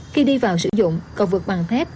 khi đi vào sử dụng cầu vượt bằng thép